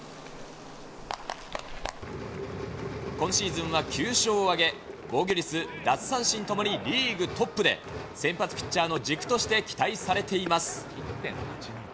今シーズンは９勝を挙げ、防御率、奪三振ともにリーグトップで、先発ピッチャーの軸として期待されています。